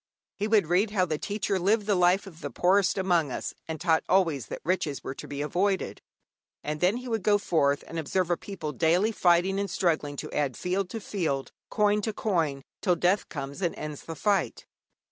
He would read how the Teacher lived the life of the poorest among us, and taught always that riches were to be avoided. And then he would go forth and observe a people daily fighting and struggling to add field to field, coin to coin, till death comes and ends the fight.